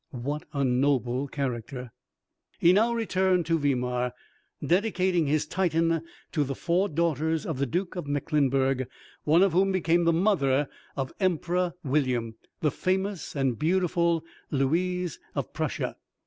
What a noble character! He now returned to Weimar, dedicating his "Titan" to the four daughters of the Duke of Mecklenburg, one of whom became the mother of Emperor William, the famous and beautiful Louise of Prussia.